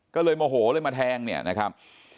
ก็เลยโมโหเลยมาแทงเนี่ยนะครับ